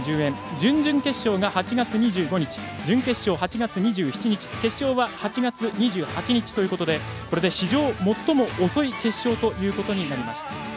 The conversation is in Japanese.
準々決勝が８月２５日準決勝８月２７日決勝は８月２８日ということでこれで史上最も遅い決勝ということになりました。